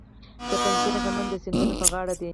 د پنجشیر غنم د سیند په غاړه دي.